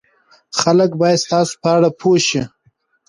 خلک باید ستاسو په اړه پوه شي.